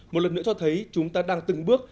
một lần nữa cho thấy chúng ta đang từng bước